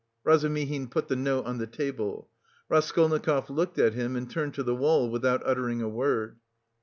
Razumihin put the note on the table. Raskolnikov looked at him and turned to the wall without uttering a word.